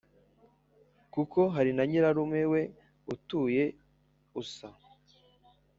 kuko hari nyirarume we utuye usa